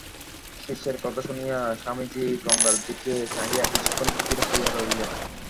শিষ্যের কথা শুনিয়া স্বামীজী গঙ্গার দিকে চাহিয়া কিছুক্ষণ স্থির হইয়া রহিলেন।